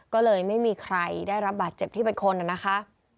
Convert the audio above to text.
ก็เลยไม่มีใครได้รับบาดเจ็บที่เป็นคนนะคะ